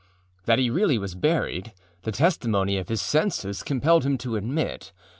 That he really was buried, the testimony of his senses compelled him to admit.